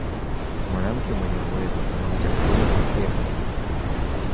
Mwanamke mwenye uwezo na huchaguliwa pekee kwa sifa